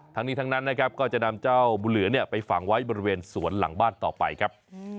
ทั้งนี้ทั้งนั้นนะครับก็จะนำเจ้าบุญเหลือไปฝังไว้บริเวณสวนหลังบ้านต่อไปครับ